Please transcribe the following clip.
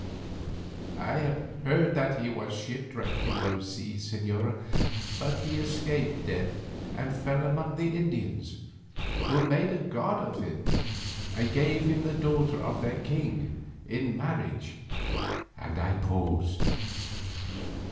"I have heard say that he was shipwrecked in those seas, señora, but he escaped death and fell among the Indians, who made a god of him and gave him the daughter of their king in marriage," and I paused.